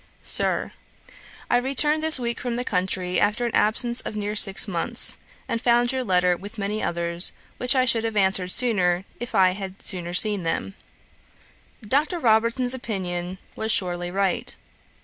'SIR, 'I returned this week from the country, after an absence of near six months, and found your letter with many others, which I should have answered sooner, if I had sooner seen them. 'Dr. Robertson's opinion was surely right.